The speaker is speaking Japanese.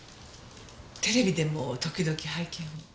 テレビでも時々拝見を。